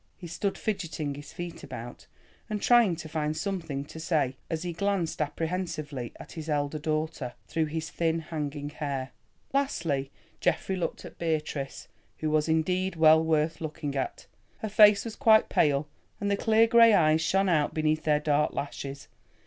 He stood fidgeting his feet about, and trying to find something to say, as he glanced apprehensively at his elder daughter, through his thin hanging hair. Lastly, Geoffrey looked at Beatrice, who was indeed well worth looking at. Her face was quite pale and the clear grey eyes shone out beneath their dark lashes.